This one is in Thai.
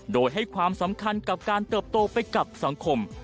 โดยให้ความสำคัญกับการเติบโตไปกับสังคม